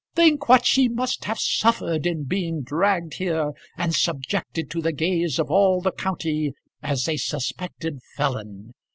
Think what she must have suffered in being dragged here and subjected to the gaze of all the county as a suspected felon!